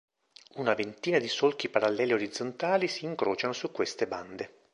Una ventina di solchi paralleli orizzontali si incrociano su queste bande.